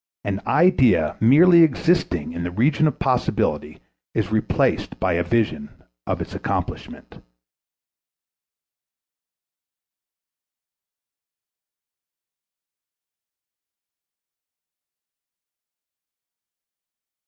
_An idea merely existing in the region of possibility is replaced by a vision of its accomplishment.